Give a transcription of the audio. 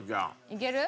いける？